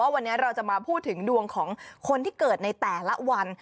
วันนี้เราจะมาพูดถึงดวงของคนที่เกิดในแต่ละวัน